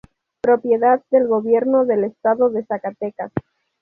Propiedad del Gobierno del Estado de Zacatecas.